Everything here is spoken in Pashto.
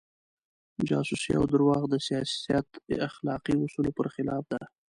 جاسوسي او درواغ د سیاست اخلاقي اصولو پر خلاف دي.